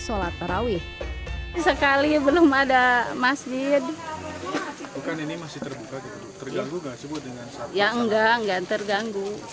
kali belum ada masjid bukan ini masih terbuka terganggu gak sebut dengan yang enggak enggak terganggu